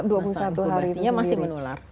masa inkubasinya masih menular